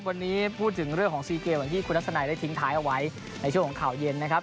วันนี้พูดถึงเรื่องของซีเกมอย่างที่คุณทัศนัยได้ทิ้งท้ายเอาไว้ในช่วงของข่าวเย็นนะครับ